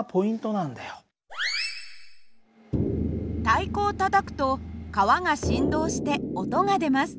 太鼓をたたくと革が振動して音が出ます。